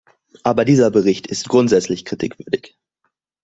Aber dieser Bericht ist grundsätzlich kritikwürdig.